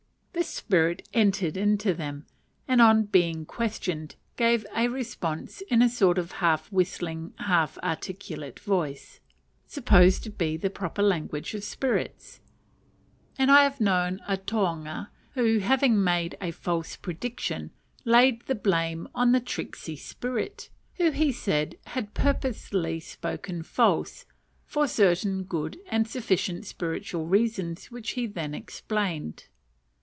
This spirit "entered into" them, and, on being questioned, gave a response in a sort of half whistling half articulate voice, supposed to be the proper language of spirits; and I have known a tohunga who, having made a false prediction, laid the blame on the "tricksy spirit," who he said had purposely spoken false, for certain good and sufficient spiritual reasons which he then explained.